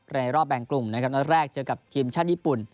ในรอบแบ่งกลุ่มในครั้งแรกเจอกับกิมชาติญี่ปุ่น